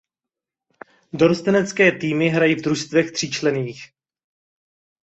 Dorostenecké týmy hrají v družstvech tříčlenných.